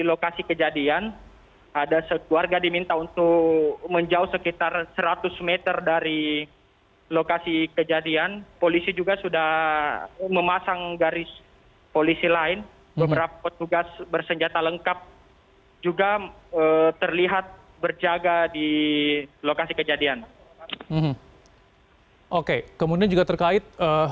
oke kemudian juga terkait